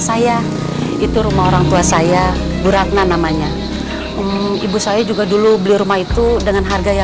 saya itu rumah orangtua saya bu ratna namanya um ibu saya juga dulu beli rumah itu dengan harga